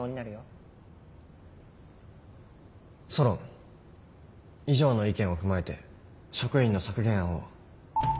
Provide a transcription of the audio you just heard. ソロン以上の意見を踏まえて職員の削減案を。